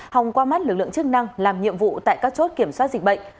hòng qua mắt lực lượng chức năng làm nhiệm vụ tại các chốt kiểm soát dịch bệnh